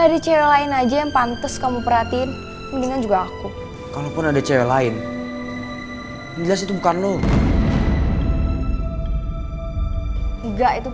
ada yang mau disini